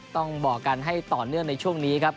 ต้องบอกกันให้ต่อเนื่องในช่วงนี้ครับ